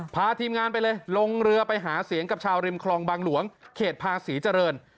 พาทีมงานไปเลยลงเรือไปหาเสียงกับชาวริมคลองบางหลวงเขตภาษีเจริญ